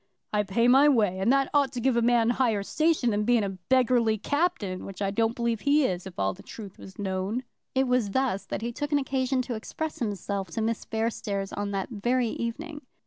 "I pay my way, and that ought to give a man higher station than being a beggarly captain, which I don't believe he is, if all the truth was known." It was thus that he took an occasion to express himself to Miss Fairstairs on that very evening.